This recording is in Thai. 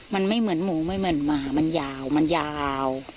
มันไม่เหมือนหมูไม่เหมือนหมามันยาวมันยาว